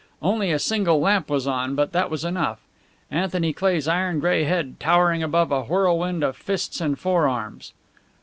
Only a single lamp was on, but that was enough. Anthony Cleigh's iron gray head towering above a whirlwind of fists and forearms!